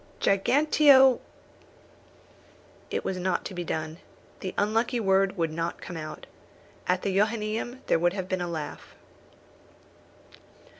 "Giganteo " It was not to be done. The unlucky word would not come out. At the Johannæum there would have been a laugh.